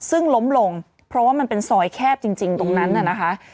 ซึ่งล้มลงเพราะว่ามันเป็นซอยแคบจริงตรงนั้นน่ะนะคะ